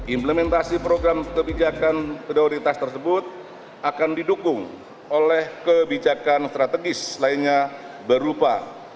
implementasi program kebijakan prioritas tersebut akan didukung oleh kebijakan strategis lainnya berupa